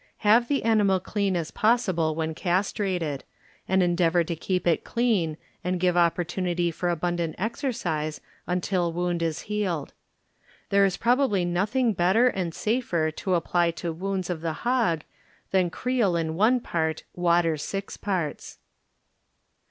Have the animal clean as passible when castrated, and endeavor to keep it clean and ^ve opportunity for abundant exercise until wound is healed. There is probably nothing better and safer to apply to wounds of the hog than creolin one part, water six parts.